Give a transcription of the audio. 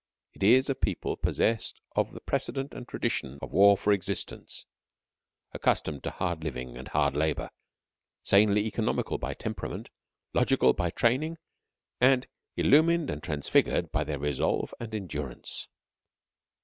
It is a people possessed of the precedent and tradition of war for existence, accustomed to hard living and hard labour, sanely economical by temperament, logical by training, and illumined and transfigured by their resolve and endurance.